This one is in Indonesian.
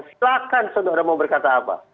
silakan soalnya orang mau berkata apa